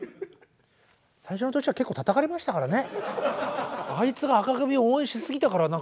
最初の年は結構たたかれましたからね。